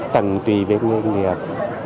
tầng tùy về nghề nghiệp